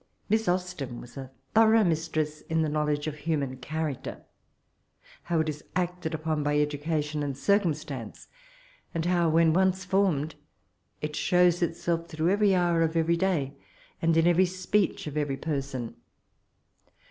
Miss Austen was a thorough mistress in the knowledge of human character ; how it is acted upon by education and circumstance, and how, when once formed, it shows itself through every hour of every day, and in every speech of every person.